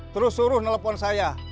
terus suruh telepon saya